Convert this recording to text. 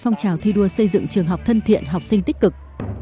phong trào thi đua xây dựng trường học thân thiện học sinh tích cực